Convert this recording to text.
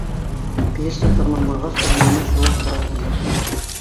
— Пьеса тамамланғас, ул минән шулай һорай ҡуйҙы.